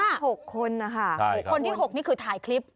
หกคนนะคะคนที่๖นี่คือถ่ายคลิป